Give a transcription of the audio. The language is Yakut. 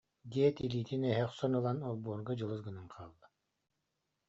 диэт, илиитин эһэ охсон ылан олбуорга дьылыс гынан хаалла